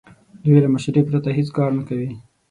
دوی له مشورې پرته هیڅ کار نه کوي.